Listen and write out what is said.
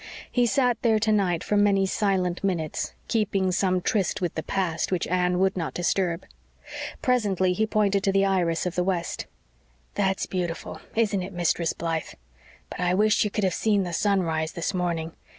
He sat there tonight for many silent minutes, keeping some tryst with the past which Anne would not disturb. Presently he pointed to the iris of the West: "That's beautiful, isn't, it, Mistress Blythe? But I wish you could have seen the sunrise this morning.